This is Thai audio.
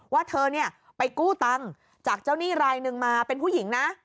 ว่าเธอเนี่ยไปกู้ตังค์จากเจ้าหนี้รายหนึ่งมาเป็นผู้หญิงนะ